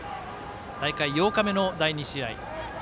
大会８日目の第２試合。